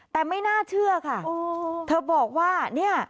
แต่ไม่น่าเชื่อค่ะเธอบอกว่าเนี่ย